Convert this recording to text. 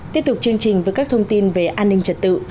tiếp tục chương trình với các thông tin về an ninh trật tự